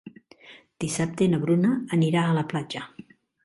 Dissabte na Bruna anirà a la platja.